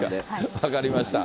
分かりました。